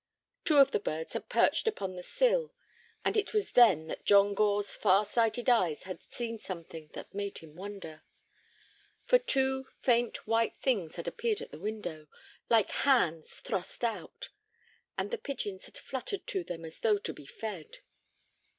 Two of the birds had perched upon the sill, and it was then that John Gore's far sighted eyes had seen something that made him wonder. For two faint, white things had appeared at the window, like hands thrust out, and the pigeons had fluttered to them as though to be fed.